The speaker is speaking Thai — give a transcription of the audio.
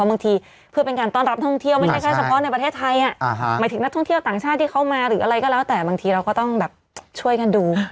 เมื่อกี้สะพานนั้นถ้าหล่นไปก็หิน